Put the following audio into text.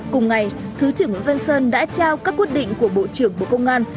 cùng ngày thứ trưởng nguyễn văn sơn đã trao các quyết định của bộ trưởng bộ công an